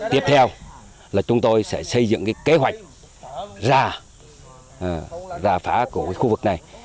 tiếp theo là chúng tôi sẽ xây dựng kế hoạch ra phá của khu vực này